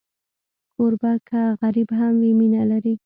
کوربه که غریب هم وي، مینه لري.